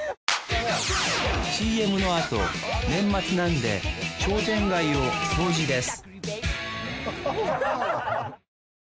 ＣＭのあと年末なんで商店街を掃除です